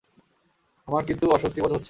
আমার কিন্তু অস্বস্তিবোধ হচ্ছে।